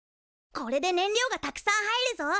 これで燃料がたくさん入るぞ！